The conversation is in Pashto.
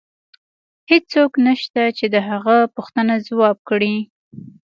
هیڅوک نشته چې د هغه پوښتنه ځواب کړي